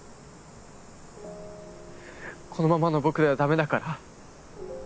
このままの僕ではダメだから。